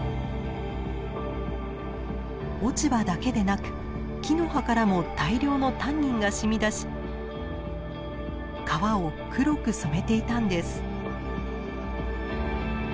落ち葉だけでなく木の葉からも大量のタンニンがしみ出し川を黒く染めていたんです。